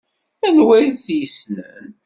Anwa ay t-yessnen?